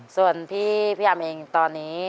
ส่วนพี่อำเองตอนนี้